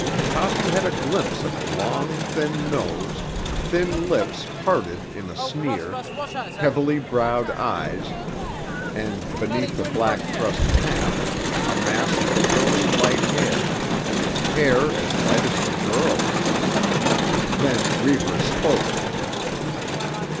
Toppy had a glimpse of a long, thin nose, thin lips parted in a sneer, heavily browed eyes, and, beneath the back thrust cap, a mass of curly light hair—hair as light as the girl's! Then Reivers spoke.